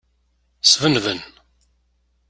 Sbenben.